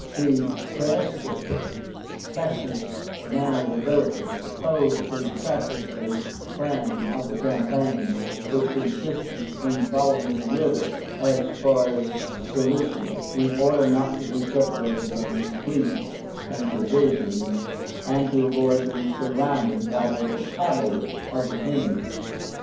The Quaestor, CASSIUS, a man of ability, proposed to Crassus a plan of the campaign, which consisted in following the river as far as Seleucia, in order not to be separated from his fleet and provisions, and to avoid being surrounded by the cavalry of the enemy.